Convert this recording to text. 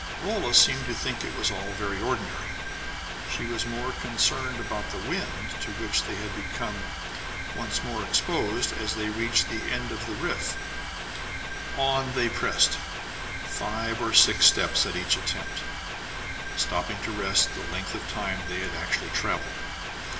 Rolla seemed to think it all very ordinary. She was more concerned about the wind, to which they had become once more exposed as they reached the end of the rift. On they pressed, five or six steps at each attempt, stopping to rest twice the length of time they actually traveled.